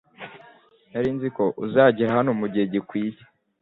Nari nzi ko uzagera hano mugihe gikwiye